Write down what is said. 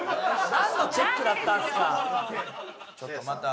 なんのチェックだったんですか！